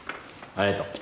ありがとう。